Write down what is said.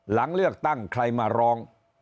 หลังเลือกตั้งใครมาร้อง